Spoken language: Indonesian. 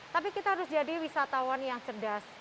tapi kita harus jadi wisatawan yang cerdas